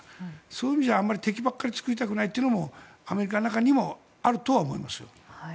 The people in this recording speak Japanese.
そういう意味じゃ敵ばかり作りたくないというのもアメリカの中にもあるとは思います。